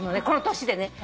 この年でね。